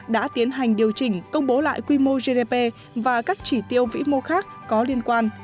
đã tiến hành điều chỉnh công bố lại quy mô gdp và các chỉ tiêu vĩ mô khác có liên quan